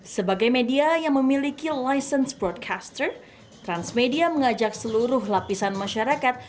sebagai media yang memiliki license broadcaster transmedia mengajak seluruh lapisan masyarakat